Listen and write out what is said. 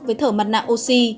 với thở mặt nạ oxy